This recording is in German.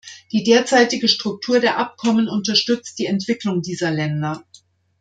Die derzeitige Struktur der Abkommen unterstützt die Entwicklung dieser Länder.